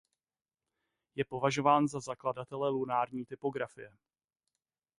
Je považován za zakladatele lunární topografie.